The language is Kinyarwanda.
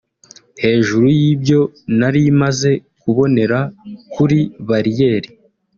Hejuru y’ibyo nari maze kubonera kuri bariyeri